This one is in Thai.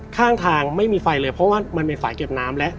ข้างทางไม่มีไฟเลยเพราะว่ามันเป็นฝ่ายเก็บน้ำแล้ว